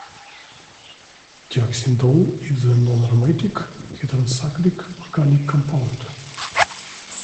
Dioxindole is a non-aromatic heterocyclic organic compound.